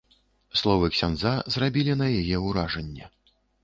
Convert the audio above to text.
Словы ксяндза зрабілі на яе ўражанне.